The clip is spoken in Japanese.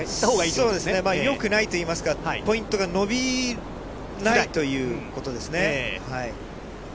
そうですね、よくないといいますか、ポイントが伸びないということですね。